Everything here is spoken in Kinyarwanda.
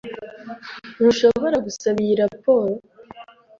Ntushobora gusaba iyi raporo?